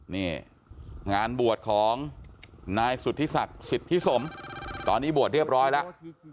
นี่งานบวชของนายสุธิศักดิ์สิทธิสมตอนนี้บวชเรียบร้อยแล้ว